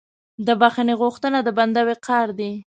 د بخښنې غوښتنه د بنده وقار دی.